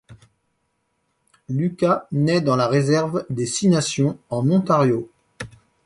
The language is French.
Lucas naît dans la réserve des Six-Nations, en Ontario.